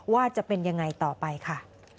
ว่าจะเป็นยังไงต่อไปค่ะ